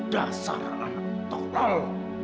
dasar anak torol